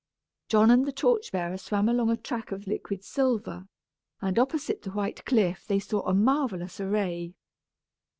John and the torch bearer swam along a track of liquid silver, and opposite the white cliff they saw a marvellous array.